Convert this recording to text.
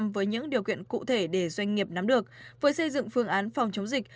với những điều kiện cụ thể để doanh nghiệp nắm được với xây dựng phương án phòng chống dịch